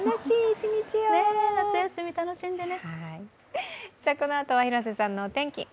夏休み楽しんでね。